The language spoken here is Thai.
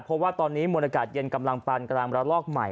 เพราะว่าตอนนี้มวลอากาศเย็นกำลังปันกำลังระลอกใหม่